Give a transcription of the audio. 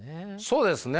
そうですね。